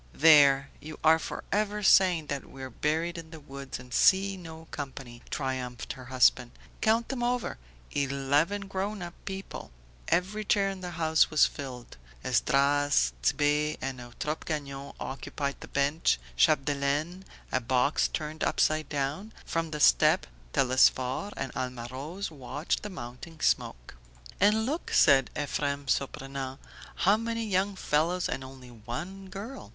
"There! You are forever saying that we are buried in the woods and see no company," triumphed her husband. "Count them over: eleven grown up people!" Every chair in the house was filled; Esdras, Tit'Bé and Eutrope Gagnon occupied the bench, Chapdelaine, a box turned upside down; from the step Telesphore and Alma Rose watched the mounting smoke. "And look," said Ephrem Surprenant, "how many young fellows and only one girl!"